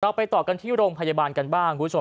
เราไปต่อกันที่โรงพยาบาลกันบ้าง